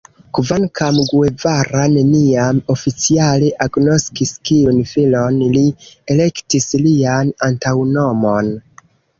Kvankam Guevara neniam oficiale agnoskis tiun filon, li elektis lian antaŭnomon.